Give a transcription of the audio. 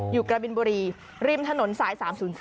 กระบินบุรีริมถนนสาย๓๐๔